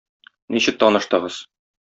Ничек таныштыгыз?